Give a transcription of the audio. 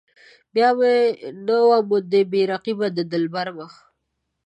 بیا مې نه موند بې رقيبه د دلبر مخ.